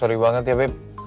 maaf banget ya beb